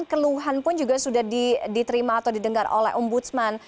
keluhan pun juga sudah diterima atau didengar oleh ombudsman